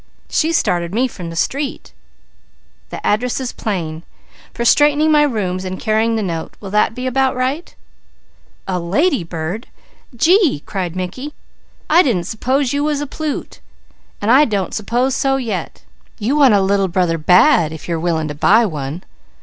She started me from the street." "The address is plain. For straightening my rooms and carrying the note, will that be about right?" "A lady bird! Gee!" cried Mickey. "I didn't s'pose you was a plute! And I don't s'pose so yet. You want a Little Brother bad if you're willing to buy one.